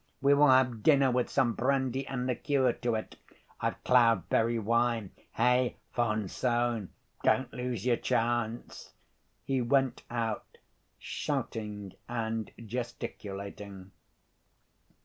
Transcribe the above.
We will have dinner with some brandy and liqueur to it.... I've cloudberry wine. Hey, von Sohn, don't lose your chance." He went out, shouting and gesticulating.